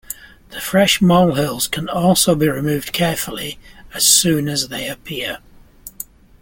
The fresh molehills can also be removed carefully as soon as they appear.